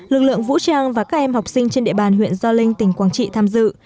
lực lượng vũ trang và các em học sinh trên địa bàn huyện gio linh tỉnh quảng trị tham dự